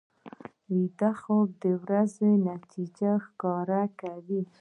ویده خوب د ورځې نتیجې ښکاره کوي